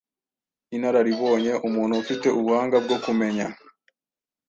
Inararibonye: umuntu ufite ubuhanga bwo kumenya